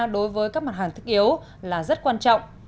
đối với các mặt hàng thiết yếu là rất quan trọng